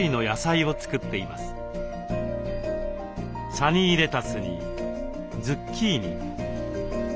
サニーレタスにズッキーニ。